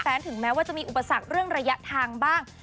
ถึงแม้ว่าจะมีอุปสรรคเรื่องระยะทางบ้าง